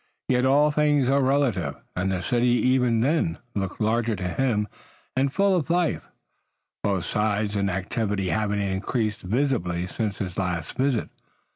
Yet all things are relative, and the city even then looked large to him and full of life, both size and activity having increased visibly since his last visit.